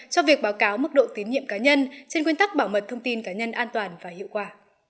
cho việc báo cáo mức độ tín nhiệm cá nhân trên nguyên tắc bảo mật thông tin cá nhân an toàn và hiệu quả